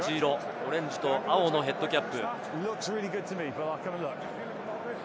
オレンジと青のヘッドキャップ。